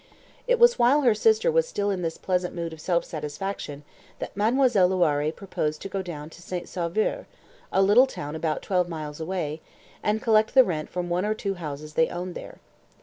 It was while her sister was still in this pleasant mood of self satisfaction that Mademoiselle Loiré proposed to go to St. Sauveur (a little town about twelve miles away), and collect the rent from one or two houses they owned there.